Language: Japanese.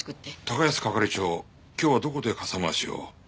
高安係長今日はどこで傘回しを？